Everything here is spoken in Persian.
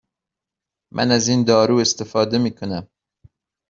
من از این دارو استفاده می کنم.